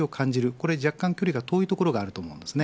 これ若干距離が遠いところがあると思います。